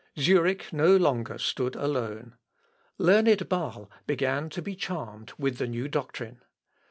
Zurich no longer stood alone. Learned Bâle began to be charmed with the new doctrine.